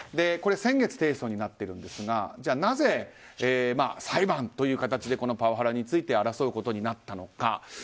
先月提訴になっているんですがなぜ、裁判という形でパワハラについて争うことになったのか。